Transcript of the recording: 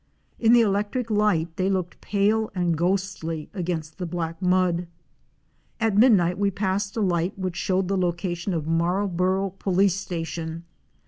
In the electric light they looked pale and ghostly against the black mud. At midnight we passed a light which showed the location of Marlborough Police Station.